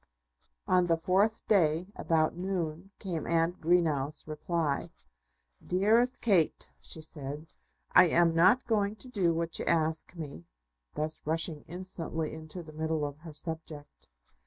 On the fourth day, about noon, came Aunt Greenow's reply. "Dearest Kate," she said, "I am not going to do what you ask me," thus rushing instantly into the middle of her subject.